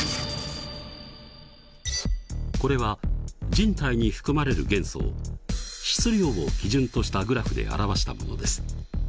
これは人体に含まれる元素を質量を基準としたグラフで表したものです。